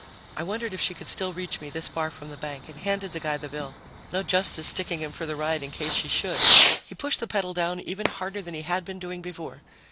I wondered if she could still reach me, this far from the bank, and handed the guy the bill. No justice sticking him for the ride in case she should. He pushed the pedal down even harder than he had been doing before.